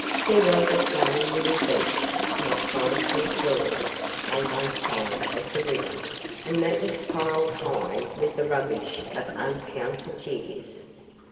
There was a tiny little beach, not five feet broad, on one side of the river, and that was piled high with the rubbish of uncounted years.